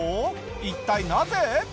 一体なぜ？